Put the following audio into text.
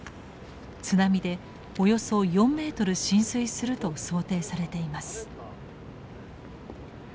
津波でおよそ４メートル浸水すると想定されています。